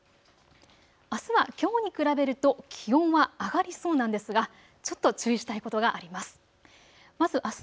あすはきょうに比べると気温は上がりそうなんですがちょっと注意したいことがあります。